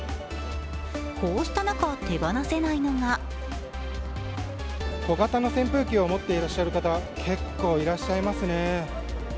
こうした中、手放せないのが小型の扇風機を持っていらっしゃる方、結構いらっしゃいますね。